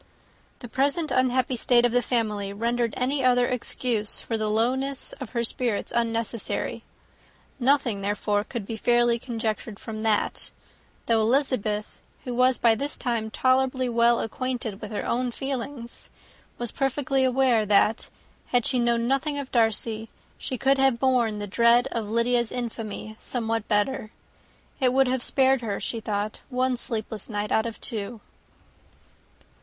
The present unhappy state of the family rendered any other excuse for the lowness of her spirits unnecessary; nothing, therefore, could be fairly conjectured from that, though Elizabeth, who was by this time tolerably well acquainted with her own feelings, was perfectly aware that, had she known nothing of Darcy, she could have borne the dread of Lydia's infamy somewhat better. It would have spared her, she thought, one sleepless night out of two.